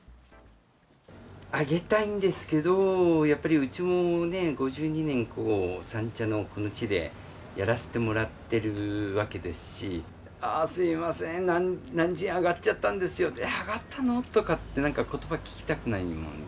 上げたいんですけど、やっぱりうちもね、５２年、三茶のこの地でやらせてもらってるわけですし、ああ、すみません、何十円上がっちゃったんですよって、えっ、上がったの？とかってことば聞きたくないもんで。